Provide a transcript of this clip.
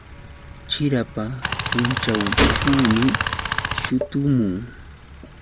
Chirapa punćhawćhuumi shutumun.